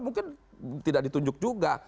mungkin tidak ditunjuk juga